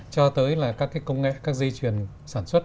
cho tới là các công nghệ các di truyền sản xuất